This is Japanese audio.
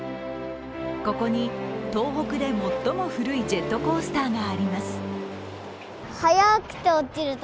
ここに東北で最も古いジェットコースターがあります。